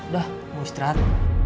udah mau istirahat